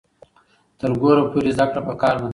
تر ګوره پورې زده کړه پکار ده.